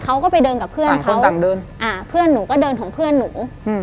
เขาก็ไปเดินกับเพื่อนเขาเพื่อนหนูก็เดินของเพื่อนหนู